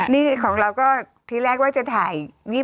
นี่ของเราก็ทีแรกว่าจะถ่าย